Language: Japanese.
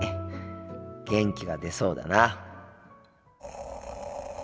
元気が出そうだな。